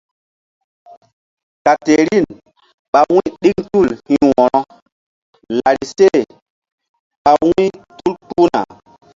Katerin ɓa wu̧y ɗiŋ tul hi̧ wo̧ro larise ɓa wu̧y tul kpuhna.